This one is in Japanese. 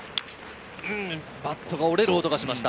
バットが折れる音がしました。